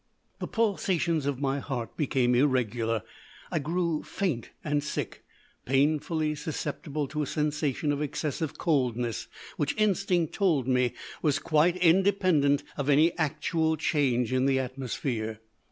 "The pulsations of my heart became irregular, I grew faint and sick, and painfully susceptible to a sensation of excessive coldness, which instinct told me was quite independent of any actual change in the atmosphere.